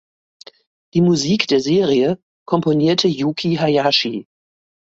Die Musik der Serie komponierte Yuki Hayashi.